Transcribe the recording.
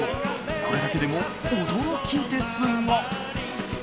これだけでも驚きですが。